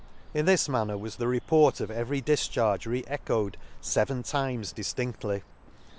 — In this manner was the report of every difcharge re echoed feven times diflindly.